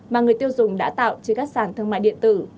mà người tiêu dùng đã tạo trên các sản thương mại điện tử